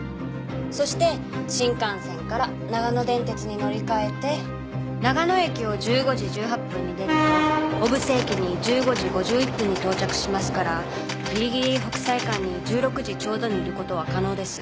そして新幹線から長野電鉄に乗り換えて長野駅を１５時１８分に出ると小布施駅に１５時５１分に到着しますからギリギリ北斎館に１６時ちょうどにいる事は可能です。